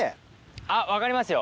あっ分かりますよ。